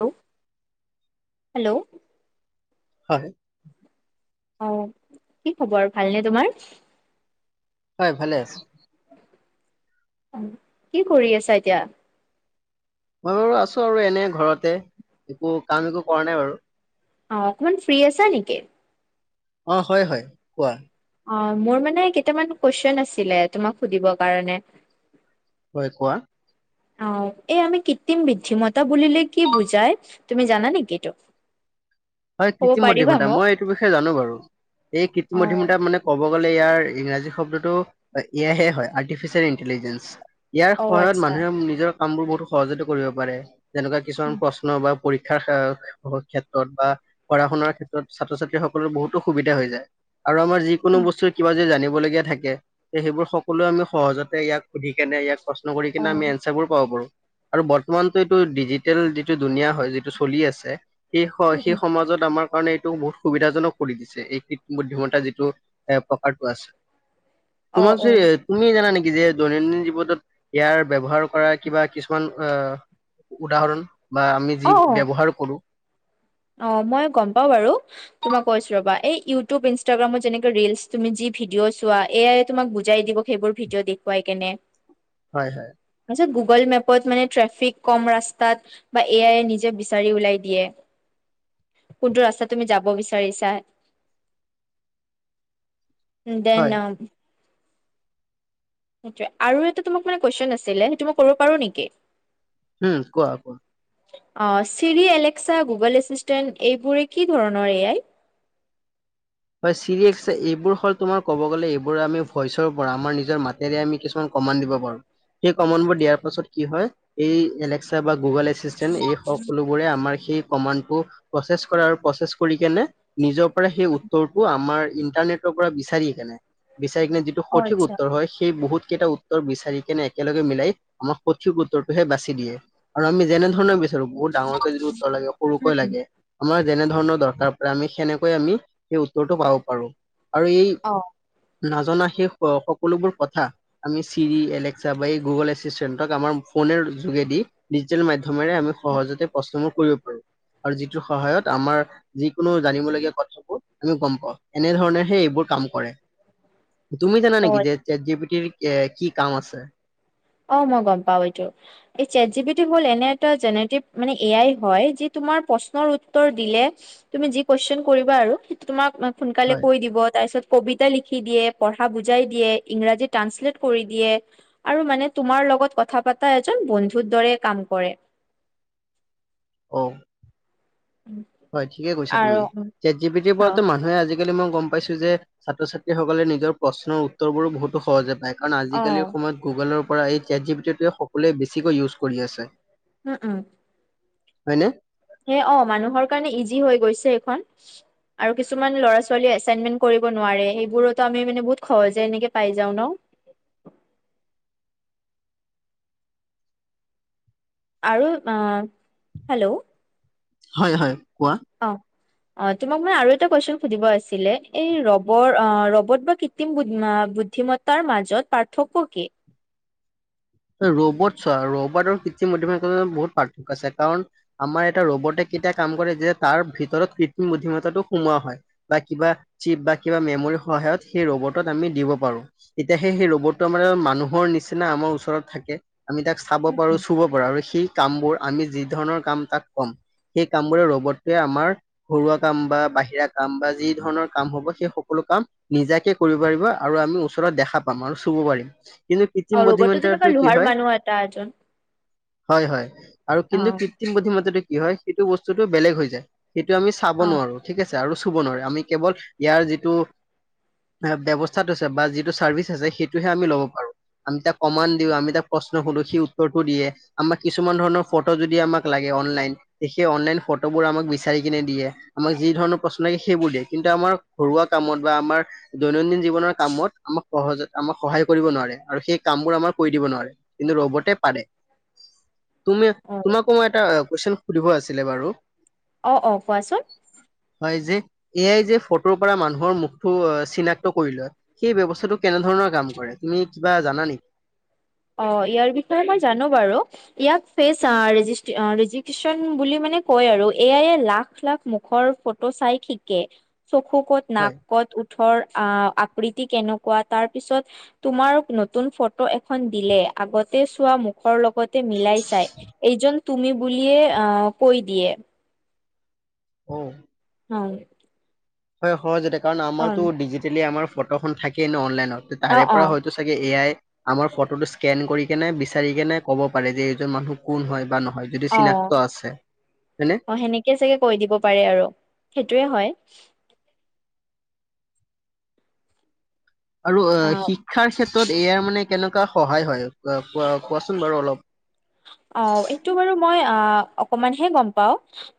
Hello, hello, হয়। অ, কি খবৰ ভালনে, তোমাৰ? হয়, ভালে আছো। কি কৰি আছা? এতিয়া মই বাৰু আছো আৰু এনে ঘৰতে, একো কাম একো কৰা নাই বাৰু। অ, অকমান ফ্ৰী আছা নেকি? অ, হয় হয় কোৱা। অ, মোৰ মানে কেইটামান কুৱেশন আছিলে, তোমাক সুধিবৰ কাৰণে। হয় কোৱা। অ, এই আমি কৃত্ৰিম বুদ্ধিমতা, বুলিলে কি বুজাই তুমি জানা নেকি এইটো? হয়, ক'ব পাৰিবা কৃত্ৰিমধ্যিমতা মোক মই এইটো বিষয়ে জানো বাৰু, এই অ কৃত্ৰিম [inaudible] মানে ক'ব গলে, ইয়াৰ ইংৰাজী শব্দটো এয়াহে হয়, আৰ্টিফিচিয়েল ইণ্টেলিজেঞ্চ। ইয়াৰ অ সহায়ত আচ্ছা মানুহে নিজৰ কাম বোৰ বহুত সহজতে কৰিব পাৰে, যেনেকুৱা অ কিছুমান প্ৰশ্ন বা পৰীক্ষাৰ, ক্ষেত্ৰত বা পঢ়া- শুনাৰ ক্ষেত্ৰত ছাত্ৰ-ছাত্ৰীসকলৰ বহুতো সুবিধা হৈ যায়। আৰু আমাৰ যিকোনো উম বস্তুৰ কিবা যদি জানিবলগীয়া থাকে। তে, সেইবোৰ সকলোৱে আমি সহজতে ইয়াক সুধি কেনে, ইয়াক প্ৰশ্ন কৰি কেনে আমি উম এনচাৰবোৰ পাব পাৰো। আৰু বৰ্তমানতো এইটো ডিজিটেল যিটো ধুনীয়া হয়, যিটো চলি আছে সেই, সেই মাজত আমাৰ কাৰণে এইটো বহুত সুবিধাজনক কৰি দিছে, এই ক বুদ্ধিতা যিটো এ, পকাটো আছে। অ তোমাক অ তুমি জানা নেকি, যে দৈনন্দিন জীৱনত ইয়াৰ ব্যৱহাৰ কৰা কিবা কিছুমান অ, উদাহৰণ বা আমি অ অ যি ব্যৱহাৰ কৰো। অ, মই গম পাওঁ বাৰু। তোমাক কৈছো ৰবা এই ইউটিউব ইনষ্টাগ্ৰামত যেনেকে ৰিলচ তুমি যি, ভিডিঅ' চোৱা। এ, আয়, তোমাক বুজাই দিব। সেইবোৰ ভিডিঅ' দেখুৱাই কেনে। হয়, হয়। আচ্ছা গুগল মেপত মানে, ট্ৰেফিক কম ৰাস্তাত বা এ, আই, নিজে বিচাৰি ওলিয়াই দিয়ে। কোনটো ৰাস্তাত তুমি যাব, বিচাৰিছা? উম, দেন হয় য়ে, আৰু এটা তোমাক মানে, কুৱেশন আছিলে, সেইটো মই কৰিব পাৰো নেকি? উম, কোৱা কোৱা। অ, চিৰি, এলেক্সা, গুগল, এচিষ্টেণ্ট এইবোৰে কি ধৰণৰ এয়াই। হয়, চিৰি এইবোৰ হ'ল, তোমাৰ ক'ব গ'লে এইবোৰ আমি ভইচৰ পৰা, আমাৰ নিজৰ মাত তেয়া, আমি কিছুমান কমান দিব পাৰো। সেই কমান বোৰ দিয়াৰ পাছত কি হয় এই এলেক্সা বা গুগল এ [unintelligible] এই সকলোবোৰে আমাৰ সেই কমানটো প্ৰচেচ কৰে আৰু প্ৰচেচ কৰি কেনে নিজে কৰে সেই উত্তৰটো আমাৰ ইন্টাৰনেটৰ পৰা বিচাৰি কেনে-বিচাৰি কিনে যি ত' অ সঠিক আচ্ছা উত্তৰ হয় সেই বহুত কেইটা উত উত্তৰ বিচাৰি কেনে একেলগে মিলাই আমাক সঠিক উত্তৰটোহে বাচি দিয়ে আৰু আমি যেনেধৰণে [unintelligible] বহুত ডাঙৰকে যিটো উত্তৰ লাগে, উম সৰুকৈ উম লাগে আমাৰ যেনে ধৰণৰ দৰকাৰ পৰে আমি সেনেকৈ আমি সেই উত্তৰটো পাব পাৰো আৰু এই অ', নাজানা সেই সকলোবোৰ কথা আমি চিৰি এলেক্সা বা এই গুগল এছিচষ্টেণ্টক আমাৰ ফোনেৰ যোগেদি ডিজিটেল মাধ্যমৰে আমি সহজতে [unintelligible] কৰিব পাৰো। আৰু যিটোৰ সহায়ত আমাৰ যিকোনো জানিবলগীয়া কথা আমি গ'ম পাওঁ এনে ধৰণে হে এইবোৰ কাম কৰে তুমি জানা অ অ নেকি যে চে'ট জি পি টিৰ কে কি কাম আছে? অ, মই গ'ম পাওঁ এইটো। এই চে'ট জি পি টি হ'ল এনে এটা জেনেটিভ মানে এ আই হয় যি তোমাৰ প্ৰশ্নৰ উত্তৰ দিলে তুমি যি কুৱেচন কৰিবা আৰু সেইটো তোমাক সোনকালে হয় কৈ দিব তাৰপিছত কবিতা লিখি দিয়ে, পঢ়া বুজাই দিয়ে, ইংৰাজী ট্ৰাঞ্চলেট কৰি দিয়ে আৰু মানে তোমাৰ লগত কথা পাতা এজন বন্ধুৰ দৰে কাম কৰে। অ', হয় ঠিকে কৈছ আৰু তুমি চেট জি পিটিৰ অ পৰাতো মানুহে আজি আজিকালি মই গ'ম পাইছো যে ছাত্ৰ-ছাত্ৰী সকলে নিজৰ প্ৰশ্নৰ উত্তৰ বোৰো বহুতো সহজে পায় কাৰণ আজিকালিৰ সময়ত গুগলৰ পৰা এই চেট জি পি টিটোৱে সকলোৱে বেছিকৈ ইউজ কৰি আছে। উম-উম। হয়নে? হে অ, মানুহৰ কাৰণে ইজি হৈ গৈছে এইখন। আৰু কিছুমান ল'ৰা-ছোৱালীয়ে এছাইনমেন্ট কৰিব নোৱাৰে সেইবোৰতো আমি মানে বহুত সহজে এনেকে পাই যাওঁ ন'? আৰু অ, হেল্ল', হয়-হয় কোৱা? অ', অ, তোমাক মান আৰু এটা কুৱেচন সুধিব আছিলে এই ৰবৰ অ, ৰবত বা কৃত্ৰিম বুদ্ধিম মতাৰ মাজত পাৰ্থক্য কি? এ ৰবট চোৱা ৰবটাৰ কৃত্ৰিম বুদ্ধিমত্তাটো বহুত পাৰ্থক্য আছে কাৰণ আমাৰ এটা ৰবটে কেতিয়া কাম কৰে যেতিয়া তাৰ ভিতৰত কৃত্ৰিম বুদ্ধিমত্তাটো সোমোৱা হয়। বা কিবা চিপ বা কিবা মেমৰী সহায়ত সেই ৰবটত আমি দিব পাৰো। এতিয়া সেই-সেই ৰ'বটটো আমাৰ মানুহৰ নিচিনা আমাৰ ওচৰত থাকে আমি তাক চাব পাৰো চুব [unintelligible] আৰু সেই কামবোৰ আমি যি ধৰণৰ কাম তাক কম সেই কাম বোৰে ৰ'বটটোৱে আমাৰ ঘৰুৱা কাম বা বাহিৰা কাম বা যি ধৰণৰ কাম হ'ব সেই সকলো কাম নিজাকে কৰিব পাৰিব আৰু আমি ওচৰত দেখা পাম আৰু চুব পাৰিম। কিন্তু কৃত্ৰিম অ, ৰ'বটতো যেনেকুৱা লোহাৰ মানুহ এটা এজন। হয়-হয় আৰু অ কিন্তু কৃত্ৰিম বুদ্ধিমত্তাটো কি হয় সেইটো বস্তুটো বেলেগ হৈ যায়। সেইটো আমি চাব অ নোৱাৰো ঠিক আছে আৰু চুব নোৱাৰো, আমি কেৱল ইয়াৰ যিটো [unintelligible] ব্যৱস্থা থৈছে বা যিটো চাৰ্ভিছ আছে সেইটোহে আমি ল'ব পাৰো আমি তাক কমান দিওঁ আমি তাক প্ৰশ্ন সোধো সি উত্তৰটো দিয়ে আমাক কিছুমান ধৰণৰ ফটো যদি আমাক লাগে অনলাইন তে সেই অনলাইন ফটোবোৰ আমাক বিচাৰি কিনে দিয়ে। আমাক যি ধৰণৰ প্ৰশ্ন লাগে সেইবোৰ দিয়ে। কিন্তু আমাৰ ঘৰুৱা কামত বা আমাৰ দৈনন্দিন জীৱনৰ কামত আমাক সহজে আমাক সহায় কৰিব নোৱাৰে আৰু সেই কাম বোৰ আমাক কৰি দিব নোৱাৰে। কিন্তু ৰ'বটে পাৰে। তুমি অ তোমাকো মই এটা কোৱেশ্যন সুধিব আছিলে বাৰু? অ' অ' কোৱাচোন হয় যে এ' আই যে ফটোৰ পৰা মানুহৰ মুখটো চিনাক্ত কৰি লয় সেই ব্যৱস্থাটো কেনে ধৰণৰ কাম কৰে তুমি কিবা জানা নি? অ' ইয়াৰ বিষয়ে মই জানো বাৰু। ইয়াক ফেচ আ ৰেজিষ্টে ৰেজিষ্টিচন বুলি মানে কয় আৰু, এ' আইয়ে লাখ লাখ মুখৰ ফট চাই শিকে, চকু ক'ত নাক হয় ক'ত ওট ওঠৰ আ আকৃতি কেনেকুৱা, তাৰ পিছত তোমাৰ নতুন ফটো খন দিলে, আগতে চোৱা মুখৰ লগতে মিলাই চাই এইজন তুমি বুলিয়ে আ' কৈ দিয়ে। উম হয়। হয় সহজতে, কাৰণ আমাৰতো ডিজিটেলি আমাৰ ফটোখন থাকেই ন অ'নলাইনত ত অ তাৰে পৰা হয়তো চাগে এ আই আমাৰ ফটোটো স্কেন কৰি কেনে বিচাৰি কেনে ক'ব পাৰে যে এইজন মানুহ কোন হয় বা নহয়। যদি অ চিনাক্ত আছে হয়নে অ সেনেকে চাগে কৈ দিব পাৰে আৰু সেইটোয়ে হয়। আৰু অ শিক্ষাৰ ক্ষেত্ৰত এ আই মানে কেনেকুৱা সহায় হয় কোৱা কোৱা কোৱাচোন বাৰু অলপ। অ এইটো বাৰু মই আ অকমান হে গম পাওঁ।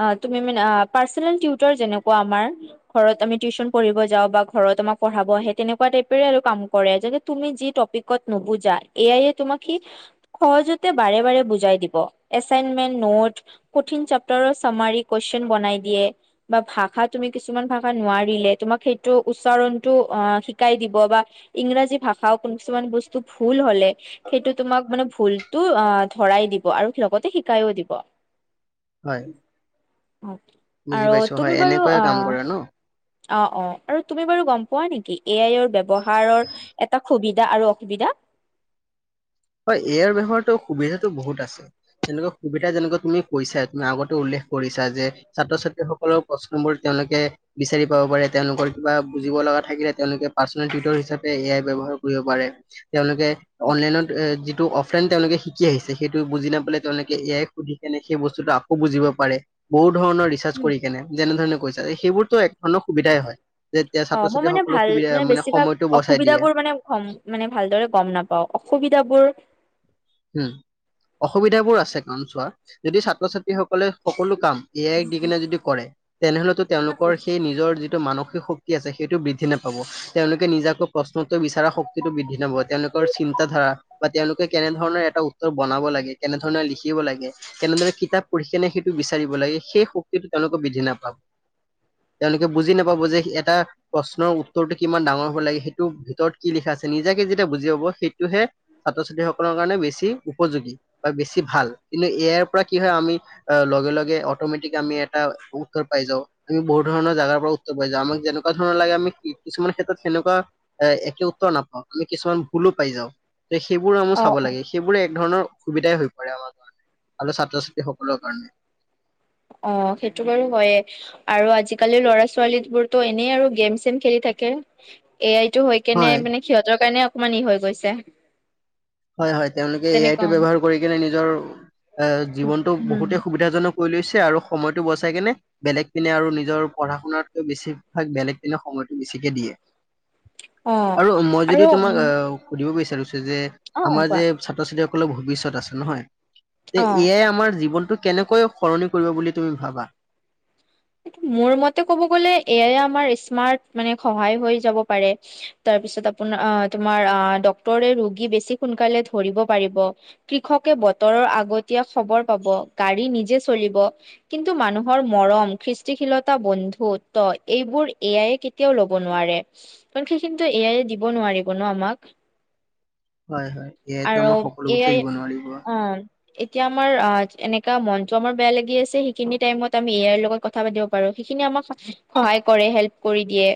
আ তুমি মানে আ পাৰ্চেনেল টুইটাৰ যেনেকুৱা আমাৰ। হয় আমি টিউচন পঢ়িব যাও বা ঘৰত আমাৰ পঢ়াব আহে, তেনেকুৱা টাইপৰে কাম কৰে যাতে তুমি যি টপিক ক'ত নুবুজা এ আইয়ে তোমাক কি সহজতে বাৰে বাৰে বুজাই দিব এচাইনমেন্ নৌট কঠিন চাপ্তাৰৰ চামাৰি কুৱেশন বনাই দিয়ে। বা ভাষা তুমি কিছুমান ভাষা নোৱাৰিলে তোমাক সেইটো উচ্চাৰণটো অ শিকাই দিব বা ইংৰাজী ভাষাও কোনো কিছুমান বস্তু ভুল হলে সেইটো তোমাক মানে ভুল টো আ ধৰাই দিব আৰু লগতে শিকাইও দিব। হয় বুজি আৰু পাইছো হয় তুমি বাৰু এনেকৈয়ে আ কাম কৰে ন অ অ আৰু তুমি বাৰু গম পোৱা নিকি এ আইৰ ব্যৱহাৰৰ এটা সুবিধা আৰু অসুবিধা। হয় এ আইৰ ব্যৱহাৰতো সুবিধাতো বহুত আছে। তেনেকুৱা সুবিধা যেনেকুৱা তুমি কৈছা তুমি আগতে উল্লেখ কৰিছা যে ছাত্ৰ ছাত্ৰী সকলৰ প্ৰশ্নবোৰ তেওঁলোকে বিচাৰি পাব পাৰে তেওঁলোকৰ কিবা বুজিব লগা থাকিলে তেওঁলোকে পাৰ্চনেল টিউটৰ হিচাপে এ আই ব্যৱহাৰ কৰিব পাৰে। তেওঁলোকে অনলাইনত যিটো অফলাইন তেওঁলোকে শিকি আহিছে সেইটো বুজি নাপালে তেওঁলোকে এ আইক সুধি কেনে সেই বস্তুটো আকৌ বুজিব পাৰে। বহুত ধৰণৰ ৰিচাৰ্চ উম কৰি কেনে যেনেধৰণে কৈছা সেইবোৰতো এক ধৰণৰ সুবিধাই হয়। যেতিয়া অ ছাত্ৰ মই মানে ছাত্ৰীসকলক ভাল সুবিধা মানে বেছিভাগ সময়টো বচাই দিয়ে। অসুবিধাবোৰ মানে হম মানে ভালদৰে গম নাপাও অসুবিধাবোৰ। হম অসুবিধাবোৰ আছে কাৰণ চোৱা যদি ছাত্ৰ ছাত্ৰীসকলে সকলো কাম এ আইক দি কিনে যদি কৰে তেনেহলেতো তেওঁলোকৰ সেই নিজৰ যিটো মানসিক শক্ তি আছে সেইটো বৃদ্ধি নাপাব তেওঁলোকে নিজাকৌ প্ৰশ্নত উত্তৰ বিচৰা শক্তিটো বৃদ্ধি নাপাব তেওঁলোকৰ চিন্তাধাৰা বা তেওঁলোকে কেনে ধৰণৰ এটা উত্তৰ বনাব লাগে কেনে ধৰণৰ লিখিব লাগে কেনেদৰে কিতাপ পঢ়ি কেনে সেইটো বিচাৰিব লাগে সেই শক্তিটো তেওঁলোকে বৃদ্ধি নাপাব। তেওঁলোকে বুজি নাপাব যে এটা প্ৰশ্নৰ উত্তৰটো কিমান ডাঙৰ হব লাগে, সেইটো ভিতৰত কি লিখা আছে নিজাকে যেতিয়া বুজি পাব সেইটোহে ছাত্ৰ ছাত্ৰীসকলৰ কাৰণে বেছি উপযোগী বা বেছি ভাল কিন্তু ইয়াৰ পৰা কি হয় আমি অ লগে লগে অটমেটিক আমি এটা উত্তৰ পাই যাওঁ। আমি বহু ধৰণৰ জাগাৰ পৰা উত্তৰ পাই যাও আমাক যেনেকোৱা ধৰ লাগে আমি কিছুমান ক্ষেত্ৰত সেনেকোৱা এ একে উত্তৰ নাপাও, আমি কিছুমান ভুলো পাই যাও তে সেইবোৰ আ অ' চাব অ' লাগে, সেইবোৰে এক ধৰণৰ অসুবিধাই হৈ পৰে আমাৰ কাৰণে ভ ছাত্ৰ ছাত্ৰী সকলৰ কাৰণে। অ সেইটো বাৰু হয়ে। আৰু আজিকালি ল'ৰা ছোৱালীবোৰতো এনেই আৰু গেম চেম খেলি থাকে এ আইতো হয় কেনে মানে সিহঁতৰ কাৰণে অকমান ই হৈ গৈছে। হয় হয় তেওঁলোকে এ আইটো যেনেকুৱা ব্যৱহাৰ কৰি কিনে নিজৰ অ জীৱনতো উম বহুতে সুবিধাজনক কৰি লৈছে আৰু সময়তো বচাই কেনে বেলেগ দিনে আৰু নিজৰ পঢ়া শুনাতকৈ বেছিভাগ বেলেগ দিনে সময়তো বেছিকে দিয়ে। [unintelligible] আৰু মই আৰু যদি তোমাক অহ সুধিব বিচাৰিছে যে অ' আমাৰ কোৱা যে ছাত্ৰ ছাত্ৰীসকলৰ ভৱিষ্যত আছে নহয়। তে অ' এ আইয়ে আমাৰ জীৱনতো কেনেকৈ সলনি কৰিব বুলি তুমি ভাবা মোৰ মতে ক'ব গ'লে এয়াই আমাৰ স্মাৰ্ট মানে সহায় হৈ যাব পাৰে। তাৰপিছত আপোনাৰ তোমাৰ ডক্তৰে ৰোগী বেছি সোনকালে ধৰিব পাৰিব। কৃষকে বতৰৰ আগতীয়া খবৰ পাব গাড়ী নিজে চলিব। কিন্তু মানুহৰ মৰম কৃষ্টিশীলতা বন্ধুত্ব এইবোৰ এ আইয়ে কেতিয়াও লব নোৱাৰে কাৰণ সি কিন্তু এয়াই দিব নোৱাৰিব ন আমাক হয় হয় এ আইটো আৰু আমাৰ সকলো এ বস্তু আই এৰিব নোৱাৰিব। অ এতিয়া আমাৰ এনেকা মনটো আমাৰ বেয়া লাগি আছে সেইখিনি টাইমত আমি এ আই লগত ক থা পাতিব পাৰো সেইখিনিয়ে আমাক সহায় কৰে হেল্প কৰি দিয়ে।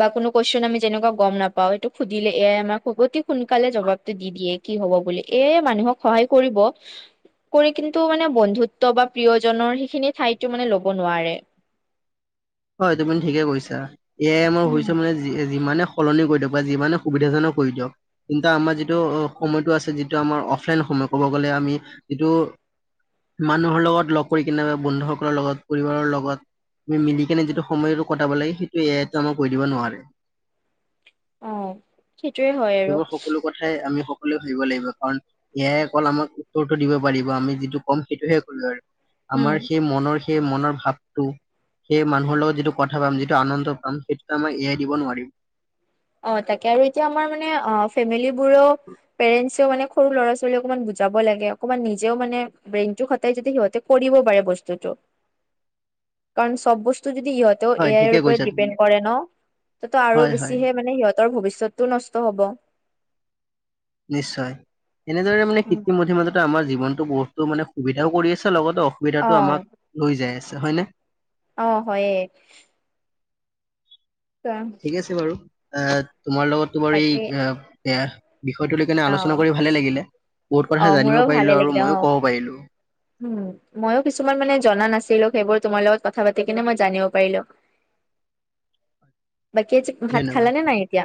বা কোনটো কুৱেশন আমি যেনেকোৱা গম নাপাও এইটো সুধিলে এ আই আমাক অতি সোনকালে জবাবটো দি দিয়ে। কি হব বুলি এ আই মানুহক সহায় কৰিব। কৰি কিন্তু মানে বন্ধুত্ব বা প্ৰিয়জনৰ সেইখিনি ঠাইতো মানে ল'ব নোৱাৰে হয় তুমি ঠিকে কৈছা এয়াই মই উম। শুনিছো মানে যি যিমানে সলনি কৰি দিয়ক বা যিমানে সুবিধাজনক কৰি দিয়ক কিন্তু আমাৰ যিটো সময়তো আছে যিটো আমাৰ অফলাইন সময় ক'ব গ'লে আমি যিটো মানুহৰ লগত লগ কৰি কেনেবা বন্ধু সকলৰ লগত পৰিবাৰৰ লগত মি মিলি কেনে যিটো সময়তো কটাব লাগে সেইটো এ আইতো আমাক কৈ দিব নোৱাৰে। অ সেইটোৱে হয় আৰু সেইবোৰ সকলো কথাই আমি সকলোৱেও ভাবিব লাগিব কাৰণ এ আই অকল আমাক উত্তৰটো দিব পাৰিব আমি যিটো কম সেইটোহে কৰিব আৰু উম। আমাৰ সেই মনৰ সেই মনৰ ভাৱটো সেই মানুহৰ লগত যিটো কথা পাম যিটো আনন্দ পাম সেইটো আমাৰ এয়াই দিব নোৱাৰিব অ তাকে আৰু এতিয়া আমাৰ মানে অ ফেমিলী বোৰেও পেৰেন্টও মানে সৰু ল'ৰা ছোৱালী অকণমান বুজাব লাগে অকণমান নিজেও মানে ব্ৰেইনটো সদায় যদি সিহঁতে কৰিব পাৰে বস্তুটো কাৰণ চব বস্তু যদি ইহঁত ত এ হয় আইৰ ঠিকে ওপৰত কৈছা তুমি ডিপেণ্ড কৰে ন ত তো আৰু হয় হয় বেছিহে মানে সিহঁতৰ ভৱিষ্যতটো নষ্ট হ'ব নিশ্চয় এনেদৰে মানে কৃত্ৰিম মধ্য মাজতে আমাৰ জীৱনটো বহুতো মানে সুবিধাও কৰি আছে লগতে অ অসুবিধাটো আমাক লৈ যায় আছে হয় নে? অ', হয়ে। ঠিক আছে বাৰু অ' তোমাৰ লগতো বাৰু এই বাকী বেয়া বিষয়টো লৈ কেনে অ আলোচনা কৰি ভালে লাগিলে। বহুত অ কথা জানিব মোৰো ভালে পাৰিলো আৰু লাগিলে অ ময়ো কব পাৰিলো। উম, ময়ো কিছুমান মানে জনা নাছিলো সেইবোৰ তোমাৰ লগত কথা পাতি কিনে মই জানিব পাৰিলো। বাকী আ যে ভাত খাল ধন্যবাদ। ন নাই এতিয়া?